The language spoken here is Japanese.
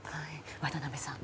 渡辺さん。